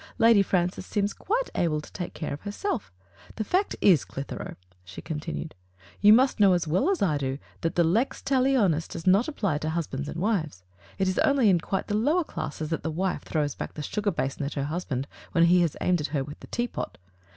Lady Fran cis seems quite able to take care* of herself. The fact is, Clitheroe, she continued, "you must know as well as I do that the lex talionis does not apply to husbands and wives. It is only in quite the lower classes that the wife throws back the sugar basin at her husband when he has aimed at her with the teapot.